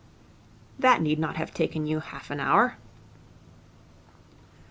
'That need not have taken you half an hour.'